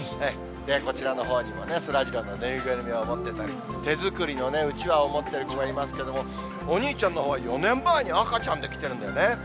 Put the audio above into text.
こちらのほうにもそらジローの縫いぐるみを持ってたり、手作りのうちわを持ってる子もいますけれども、お兄ちゃんのほうは、４年前に赤ちゃんで来てるんだよね。